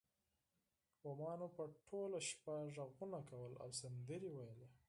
بومانو به ټوله شپه غږونه کول او سندرې ویلې